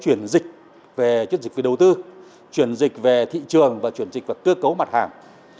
chúng ta đã có những chuyên dịch về đầu tư chuyên dịch về thị trường và chuyên dịch về cơ cấu mặt hàng